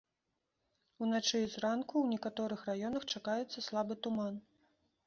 Уначы і зранку ў некаторых раёнах чакаецца слабы туман.